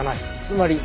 つまり。